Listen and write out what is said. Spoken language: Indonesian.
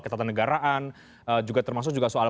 ketatanegaraan termasuk juga soal